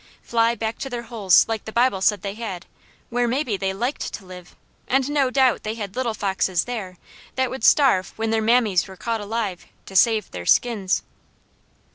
Fly back to their holes like the Bible said they had, where maybe they LIKED to live, and no doubt they had little foxes there, that would starve when their mammies were caught alive, to save their skins.